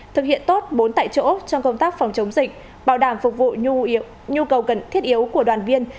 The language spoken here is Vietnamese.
thực hiện tốt bốn tại chỗ trong công tác phòng chống dịch bảo đảm phục vụ nhu cầu cần thiết yếu của đoàn viên